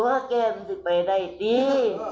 หัวแก่มันจะไปได้ดี